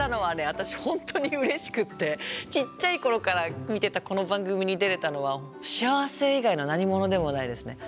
私本当にうれしくってちっちゃい頃から見てたこの番組に出れたのは幸せ以外の何物でもないですね。